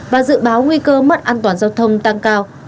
và dự báo nguy cơ mất an toàn giao thông tăng cao